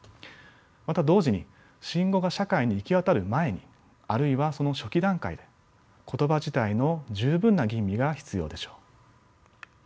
また同時に新語が社会に行き渡る前にあるいはその初期段階で言葉自体の十分な吟味が必要でしょう。